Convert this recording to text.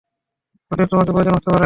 ওদের তোমাকে প্রয়োজন হতে পারে।